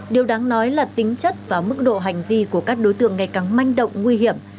điều đáng nói là tính chất và mức độ hành vi của các đối tượng ngày càng manh động nguy hiểm